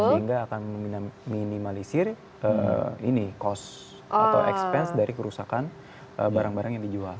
sehingga akan meminimalisir cost atau expense dari kerusakan barang barang yang dijual